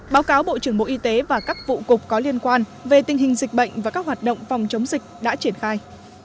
báo cáo bộ trưởng bộ y tế và các vụ cục có liên quan về tình hình dịch bệnh và các hoạt động phòng chống dịch đã triển khai